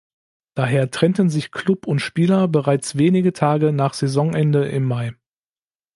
Daher trennten sich Klub und Spieler bereits wenige Tage nach Saisonende im Mai.